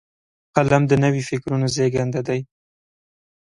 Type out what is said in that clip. قلم د نوي فکرونو زیږنده دی